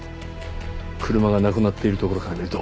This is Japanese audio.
車がなくなっているところからみると。